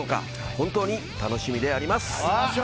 本当に楽しみであります。